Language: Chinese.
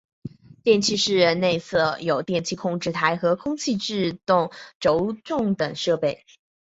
电气室内设有电气控制柜和空气制动轴重等设备。